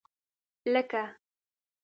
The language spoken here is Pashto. لکه